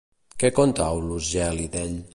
Què conta Aulus Gel·lí d'ell?